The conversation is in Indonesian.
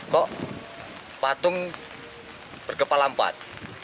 kok patung berkepalampat